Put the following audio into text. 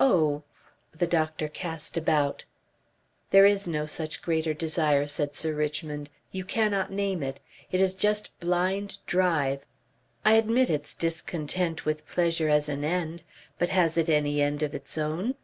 "Oh!..." The doctor cast about. "There is no such greater desire," said Sir Richmond. "You cannot name it. It is just blind drive. I admit its discontent with pleasure as an end but has it any end of its own?